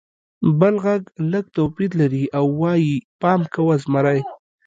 بل غږ لږ توپیر لري او وایي: «پام کوه! زمری!»